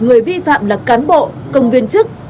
người vi phạm là cán bộ công viên chức